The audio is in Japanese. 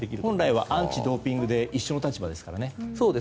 本来アンチ・ドーピングで一緒の立場ですからね。